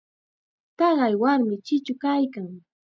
Taqay warmim chichu kaykan.